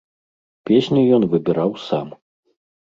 Песні ён выбіраў сам.